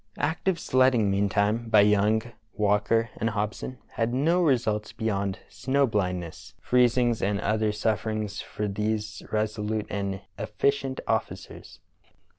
Active sledging, meantime, by Young, Walker, and Hobson, had no results beyond snow bhndness, freez ings, and other suffering for these resolute and effi cient officers.